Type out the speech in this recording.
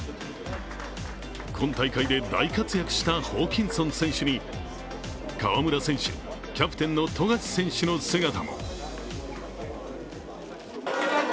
今大会で大活躍したホーキンソン選手に、河村選手、キャプテンの富樫選手の姿も。